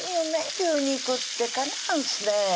牛肉ってかなわんすね